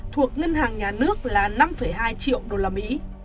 thuộc ngân hàng nhà nước là năm hai triệu usd